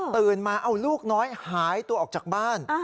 ตื่นมาเอาลูกน้อยหายตัวออกจากบ้าน